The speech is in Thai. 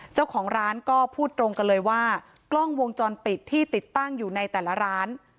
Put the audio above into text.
เจ้าของร้านก็พูดตรงกันเลยว่ากล้องวงจรปิดที่ติดตั้งอยู่ในแต่ละร้าน